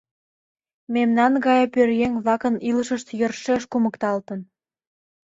Мемнан гае пӧръеҥ-влакын илышышт йӧршеш кумыкталтын.